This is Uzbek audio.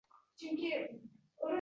Bob istaganlarining barchasiga erishdi.